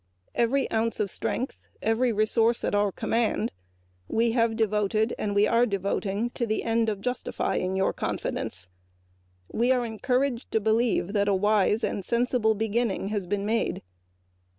Every ounce of strength and every resource at our command we have devoted to the end of justifying your confidence. We are encouraged to believe that a wise and sensible beginning has been made.